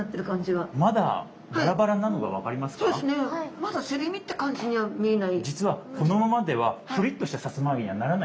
まだすり身って感じには見えない。